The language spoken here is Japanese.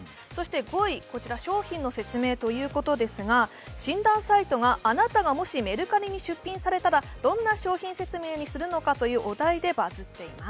５位、商品の説明ということですが診断サイトがあなたがもしメルカリに出品されたらどんなお題にするのかというお題でバズっています。